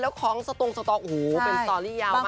แล้วคล้องสระตงสระตอกหูเป็นสตอรี่ยาวมาก